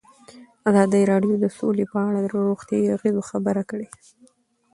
ازادي راډیو د سوله په اړه د روغتیایي اغېزو خبره کړې.